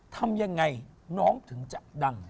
ทำยังไงน้องถึงจะดัง